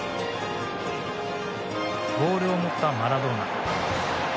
ボールを持ったマラドーナ。